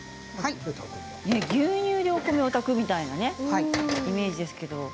牛乳でお米を炊くみたいなイメージですけれども。